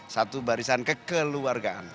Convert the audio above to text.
satu barisan kekeluargaan